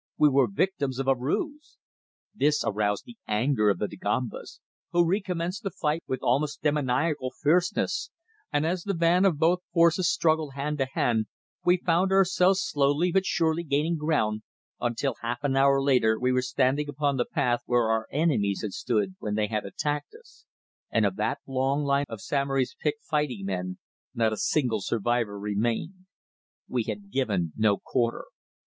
We were victims of a ruse! This aroused the anger of the Dagombas, who recommenced the fight with almost demoniacal fierceness, and as the van of both forces struggled hand to hand, we found ourselves slowly but surely gaining ground until half an hour later we were standing upon the path where our enemies had stood when they had attacked us, and of that long line of Samory's picked fighting men not a single survivor remained. We had given no quarter.